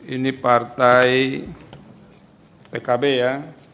ini partai pkb ya